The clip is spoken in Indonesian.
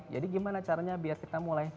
jadi gimana caranya biar kita mulai